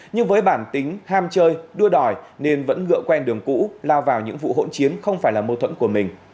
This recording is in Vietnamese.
nhưng với bản tính ham chơi đua đòi nên vẫn ngựa quen đường cũ lao vào những vụ hỗn chiến không phải là mâu thuẫn của mình